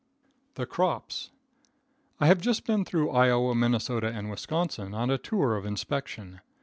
The Crops. I have just been through Iowa, Minnesota and Wisconsin, on a tour of inspection.